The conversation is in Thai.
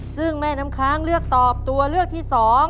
ซึ่งแม่น้ำค้างเลือกตอบตัวเลือกที่๒